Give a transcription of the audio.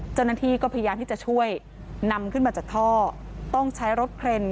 เจ้าหน้าที่ก็พยายามที่จะช่วยนำขึ้นมาจากท่อต้องใช้รถเครน